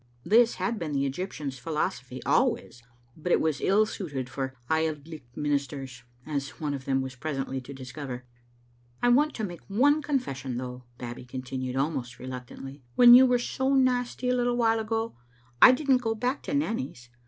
This had been the Egyptian's philosophy always, but it was ill suited for Auld Licht ministers, as one of them was presently to discover. "I want to make one confession, though," Babbie continued, almost reluctantly. "When you were so nasty a little while ago, I didn't go back to Nanny's.